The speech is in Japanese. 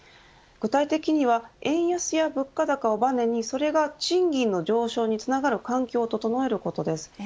具体的には円安や物価高をバネにそれが賃金の上昇につながる環境を整えることです。